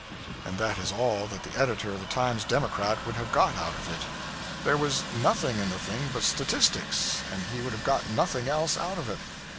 And that is all that the editor of the 'Times Democrat' would have got out of it. There was nothing in the thing but statistics, and he would have got nothing else out of it.